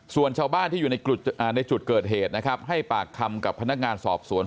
ส่วนชาวบ้านที่อยู่ในจุดเกิดเหตุนะครับให้ปากคำกับพนักงานสอบสวน